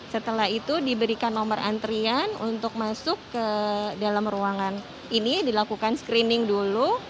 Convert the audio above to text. setelah itu diberikan nomor antrian untuk masuk ke dalam ruangan ini dilakukan screening dulu